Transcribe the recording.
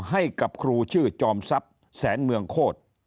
ให้กับครูชื่อจอมซับแสนเมืองโฆษ์